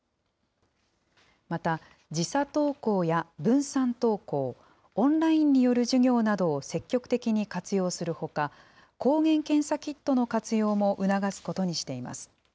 また、時差登校や分散登校、オンラインによる授業などを積極的に活用するほか、抗原検査キットの活用も促すことにしています。